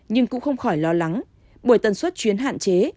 nhưng cũng không khỏi lo lắng bởi tần suất chuyến hạn chế